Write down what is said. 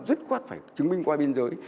rất khoát phải chứng minh qua biên giới